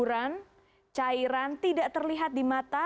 keguran cairan tidak terlihat di mata